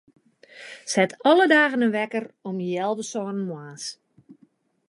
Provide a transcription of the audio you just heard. Set alle dagen in wekker om healwei sânen moarns.